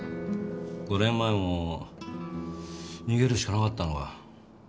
５年前も逃げるしかなかったのか？